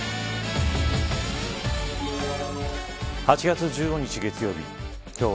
８月１５日、月曜日